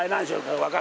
分かる？